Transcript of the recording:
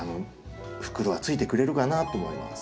袋はついてくれるかなと思います。